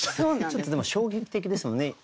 ちょっとでも衝撃的ですもんね。